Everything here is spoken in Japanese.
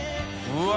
うわ！